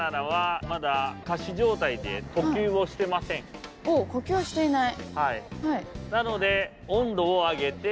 入ったおっ呼吸をしていない。